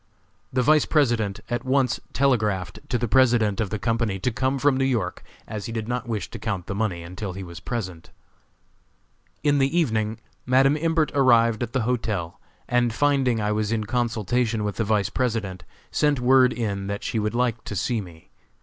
The Vice President at once telegraphed to the President of the company to come from New York, as he did not wish to count the money until he was present. In the evening Madam Imbert arrived at the hotel, and finding I was in consultation with the Vice President, sent word in that she would like to see me.